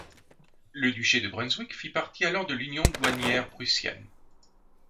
Le duché de Brunswick fit partie alors de l'Union douanière prussienne.